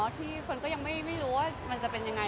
ที่คนก็ยังไม่รู้ว่ามันจะเป็นยังไง